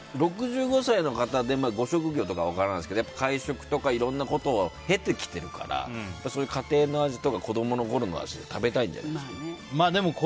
６５歳の方でご職業とか分からないですけど会食とかいろんなことを経てきてるからそういう家庭の味とか子供のころの味を食べたいんじゃないですか。